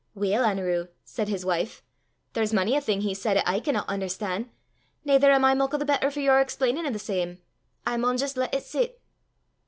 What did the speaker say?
"Weel, Anerew," said his wife, "there's mony a thing he said 'at I can not un'erstan'; naither am I muckle the better for your explainin' o' the same; I maun jist lat it sit."